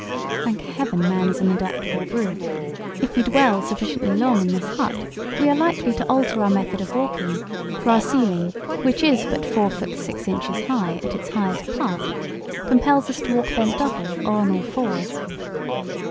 Thank heaven man is an adaptable brute! If we dwell sufficiently long in this hut, we are likely to alter our method of walking, for our ceiling, which is but four feet six inches high at its highest part, compels us to walk bent double or on all fours.